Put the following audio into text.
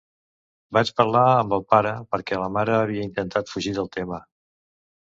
Vaig parlar amb el pare, perquè la mare havia intentat fugir del tema.